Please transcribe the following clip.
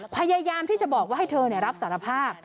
พยายามที่จะบอกว่าให้เธอรับสารภาพ